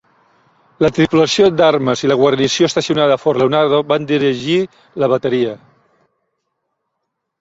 La tripulació d'armes i la guarnició estacionades a Fort Leonardo van dirigir la bateria.